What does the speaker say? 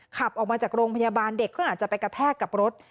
ขับออกมาจากโรงพยาบาลเด็กก็อาจจะไปกระแทกกับรถ